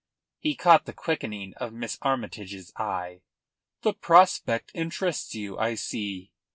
He caught the quickening of Miss Armytage's eye. "The prospect interests you, I see."